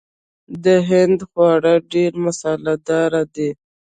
د هند خواړه ډیر مساله دار دي.